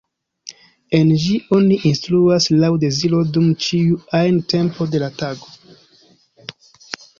En ĝi oni instruas laŭ deziro dum ĉiu ajn tempo de la tago.